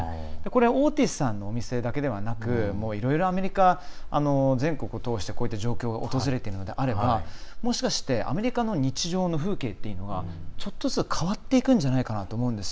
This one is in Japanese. オーティスさんのお店だけではなくていろいろアメリカ全国通してこうした状況が訪れているのであればもしかして、アメリカの日常の風景っていうのはちょっとずつ変わっていくんじゃないかなと思うんです。